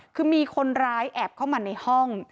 คือมีคนร้ายแอบเข้ามาในห้อง